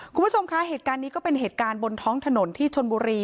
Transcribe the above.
คุณผู้ชมคะเหตุการณ์นี้ก็เป็นเหตุการณ์บนท้องถนนที่ชนบุรี